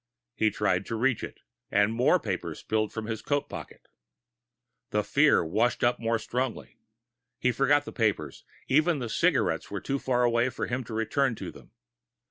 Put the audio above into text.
He tried to reach it, and more papers spilled from his coat pocket. The fear washed up more strongly. He forgot the papers. Even the cigarettes were too far away for him to return to them.